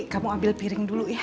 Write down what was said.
kamu ambil piring dulu ya